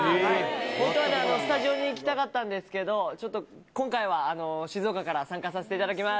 本当はスタジオに行きたかったんですけれども、ちょっと今回は静岡から参加させていただきま